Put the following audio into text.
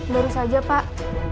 baru saja pak